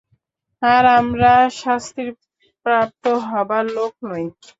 আর আমরা শাস্তিপ্রাপ্ত হবার লোক নই।